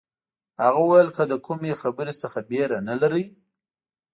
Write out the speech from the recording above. هغه وویل که له کومې خبرې څه بېره نه لرئ.